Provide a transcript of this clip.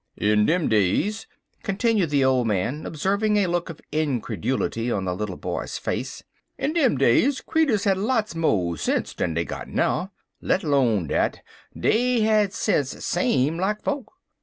In dem days," continued the old man, observing a look of incredulity on the little boy's face, "in dem days creeturs had lots mo' sense dan dey got now; let 'lone dat, dey had sense same like folks.